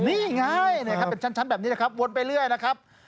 นี่ไงครับเป็นชั้นแบบนี้นะครับวนไปเรื่อยนะครับ